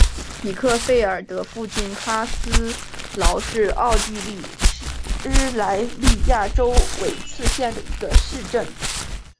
比克费尔德附近哈斯劳是奥地利施蒂利亚州魏茨县的一个市镇。